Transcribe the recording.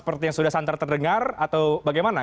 seperti yang sudah santar terdengar atau bagaimana